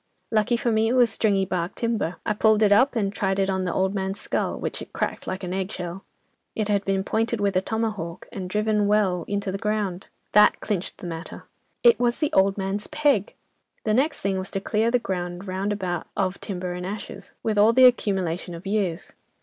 Lucky for me, it was stringy bark timber. I pulled it up, and tried it on the old man's skull, which it cracked like an egg shell. It had been pointed with a tomahawk, and driven well into the ground. That clinched the matter. It was the old man's peg! The next thing was to clear the ground round about of timber and ashes, with all the accumulation of years.